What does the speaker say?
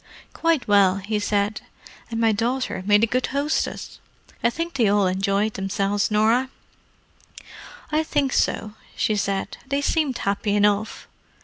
"Quite well," he said. "And my daughter made a good hostess. I think they all enjoyed themselves, Norah." "I think so," said she. "They seemed happy enough.